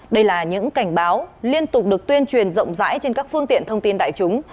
đây là những cảnh báo liên tục được tuyên truyền rộng rãi trên các phương tiện thông tin đại chúng